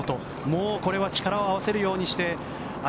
もうこれは力を合わせるようにして。